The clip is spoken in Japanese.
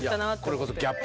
これこそ。